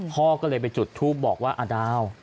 พ่อก็เลยไปจุดทูปบอกว่าอดาว